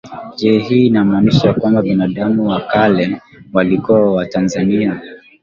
Je hii inamaanisha kwamba binadamu wa kale walikuwa watanzania